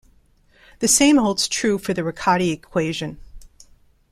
The same holds true for the Riccati equation.